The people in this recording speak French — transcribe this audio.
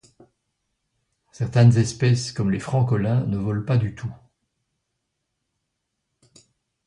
Certaines espèces comme les francolins ne volent pas du tout.